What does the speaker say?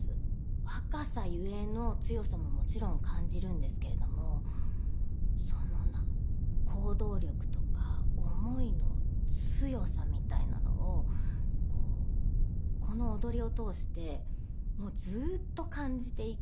若さゆえの強さももちろん感じるんですけれどもその行動力とか思いの強さみたいなのをこうこの踊りを通してもうずっと感じていく。